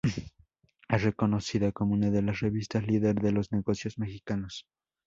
Es reconocida como una de las revistas líder de los negocios mexicanos.